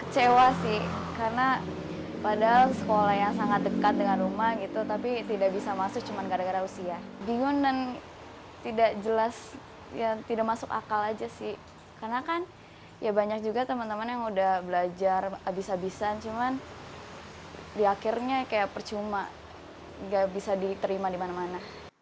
sazia kuamila hanya bisa pasrah menerima kenyataan dirinya tidak berhasil lolos masuk sma pilihan disini